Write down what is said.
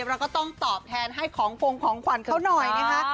เราก็ต้องตอบแทนให้ของฟงของขวัญเขาหน่อยนะคะ